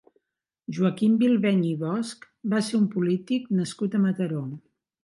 Joaquim Bilbeny i Bosch va ser un polític nascut a Mataró.